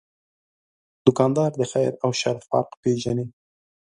دوکاندار د خیر او شر فرق پېژني.